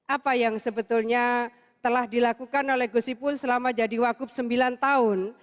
apa yang sebetulnya telah dilakukan oleh kusipul selama jadi wakup sembilan tahun